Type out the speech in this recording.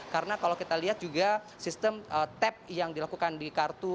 karena kalau kita lihat juga sistem tap yang dilakukan di kartu